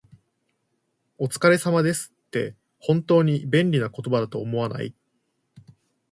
「お疲れ様です」って、本当に便利な言葉だと思わない？